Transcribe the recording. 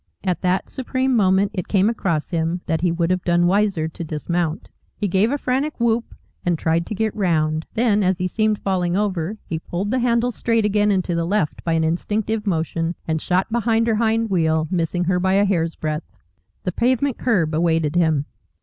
At that supreme moment it came across him that he would have done wiser to dismount. He gave a frantic 'whoop' and tried to get round, then, as he seemed falling over, he pulled the handles straight again and to the left by an instinctive motion, and shot behind her hind wheel, missing her by a hair's breadth. The pavement kerb awaited him.